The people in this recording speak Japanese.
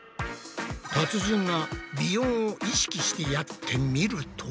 達人が鼻音を意識してやってみると。